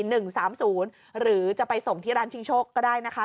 หนึ่งสามศูนย์หรือจะไปส่งที่ร้านชิงโช๊คก็ได้นะคะ